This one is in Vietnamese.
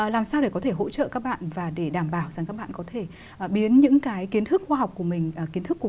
làm sao để có thể hỗ trợ các bạn và để đảm bảo rằng các bạn có thể biến những cái kiến thức khoa học của mình